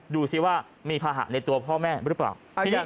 ดูสิว่ามีภาหะในตัวพ่อแม่หรือเปล่า